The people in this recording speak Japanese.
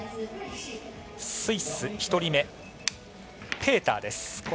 スイス、１人目ペーターです。